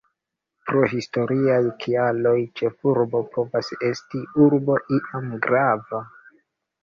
Pro historiaj kialoj, ĉefurbo povas esti urbo iam grava.